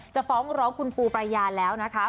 ฟ้องร้องคุณปูปรายาแล้วนะคะ